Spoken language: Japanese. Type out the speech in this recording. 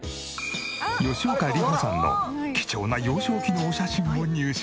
吉岡里帆さんの貴重な幼少期のお写真を入手。